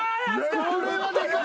これはでかい。